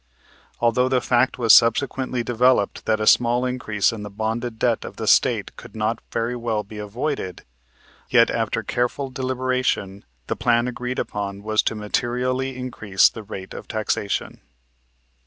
Although the fact was subsequently developed that a small increase in the bonded debt of the State could not very well be avoided, yet, after careful deliberation, the plan agreed upon was to materially increase the rate of taxation.